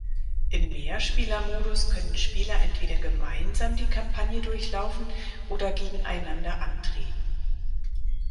Im Mehrspielermodus können Spieler entweder gemeinsam die Kampagne durchlaufen oder gegeneinander antreten.